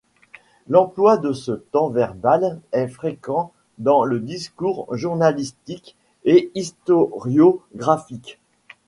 L’emploi de ce temps verbal est fréquent dans le discours journalistique et historiographique.